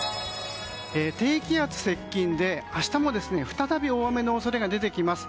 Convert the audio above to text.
低気圧接近で明日も再び大雨の恐れが出てきます。